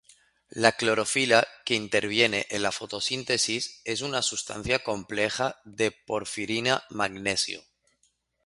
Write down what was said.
La clorofila, que interviene en la fotosíntesis, es una sustancia compleja de porfirina-magnesio.